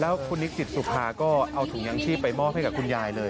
แล้วคุณนิกจิตสุภาก็เอาถุงยังชีพไปมอบให้กับคุณยายเลย